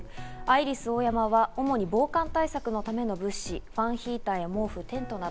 アイリスオーヤマは主に防寒対策のための物資、ファンヒーターや毛布、テントなど。